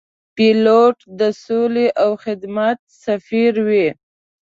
پیلوټ د سولې او خدمت سفیر وي.